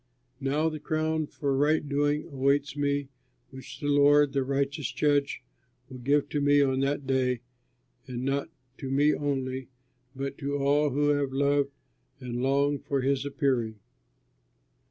Now the crown for right doing awaits me which the Lord, the righteous judge, will give to me on that day, and not to me only but to all who have loved and longed for his appearing.